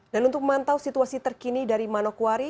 dan untuk memantau situasi terkini dari manokwari